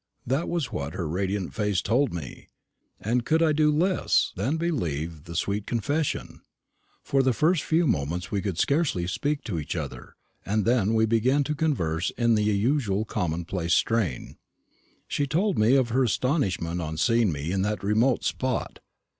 That was what her radiant face told me; and could I do less than believe the sweet confession? For the first few moments we could scarcely speak to each other, and then we began to converse in the usual commonplace strain. She told me of her astonishment on seeing me in that remote spot.